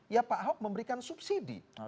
ya pak ahok memberikan subsidi